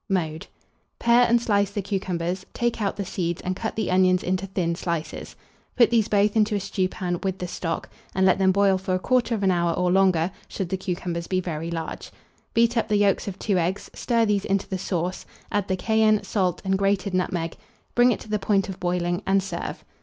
Mode. Pare and slice the cucumbers, take out the seeds, and cut the onions into thin slices; put these both into a stewpan, with the stock, and let them boil for 1/4 hour or longer, should the cucumbers be very large. Beat up the yolks of 2 eggs; stir these into the sauce; add the cayenne, salt, and grated nutmeg; bring it to the point of boiling, and serve.